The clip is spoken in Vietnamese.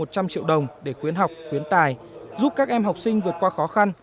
một trăm linh triệu đồng để khuyến học khuyến tài giúp các em học sinh vượt qua khó khăn